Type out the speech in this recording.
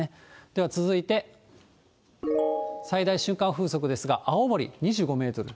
では続いて、最大瞬間風速ですが、青森２５メートル。